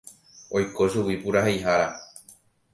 Oiko chugui puraheihára